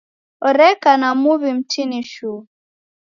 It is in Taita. Oreka na muw'i mtini shuu.